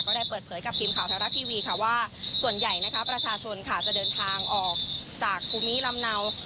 ได้เปิดเผยกับทีมข่าวไทยรัฐทีวีค่ะว่าส่วนใหญ่นะคะประชาชนค่ะจะเดินทางออกจากภูมิลำเนา